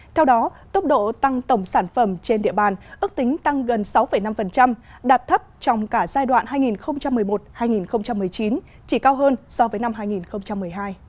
theo đó tốc độ tăng tổng sản phẩm trên địa bàn ước tính tăng gần sáu năm đạt thấp trong cả giai đoạn hai nghìn một mươi một hai nghìn một mươi chín chỉ cao hơn so với năm hai nghìn một mươi hai